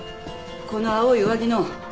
この青い上着の。